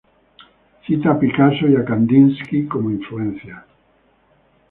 Cita a Picasso y a Kandinsky como influencias.